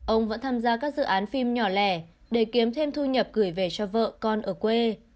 ông vẫn tham gia các dự án phim nhỏ lẻ để kiếm thêm thu nhập gửi về cho vợ con ở quê